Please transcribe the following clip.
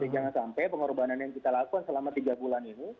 jangan sampai pengorbanan yang kita lakukan selama tiga bulan ini